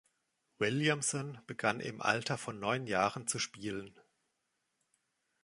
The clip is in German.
Williamson begann im Alter von neun Jahren zu spielen.